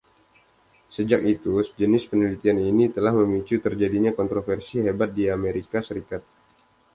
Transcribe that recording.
Sejak itu, jenis penelitian ini telah memicu terjadinya kontroversi hebat di Amerika Serikat.